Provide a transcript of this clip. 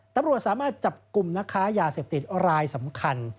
ตำรวจสามารถจับกลุ่มนักค้ายาเสพติดรายสำคัญ